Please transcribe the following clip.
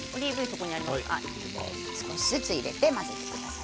少しずつ入れて混ぜてください。